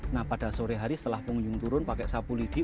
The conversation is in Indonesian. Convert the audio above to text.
nah pada sore hari setelah pengunjung turun pakai sapu lidi